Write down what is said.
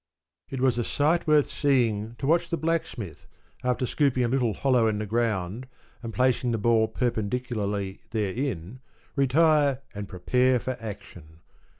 It was a sight worth seeing to watch the Blacksmith, after scooping a little hollow in the ground and placing the ball perpendicularly therein, retire and prepare for action.